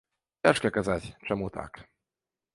Цяжка казаць, чаму так.